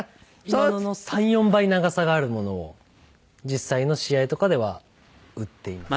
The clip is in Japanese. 今のの３４倍長さがあるものを実際の試合とかでは打っていますね。